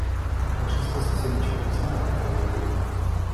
Большинство совсем ничего не знало про новые идеи.